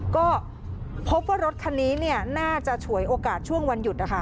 ก็พบว่ารถคันนี้น่าจะฉวยโอกาสช่วงวันหยุดนะคะ